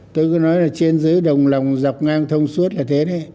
tôi cứ nói là trên dưới đồng lòng dọc ngang thông suốt là thế đấy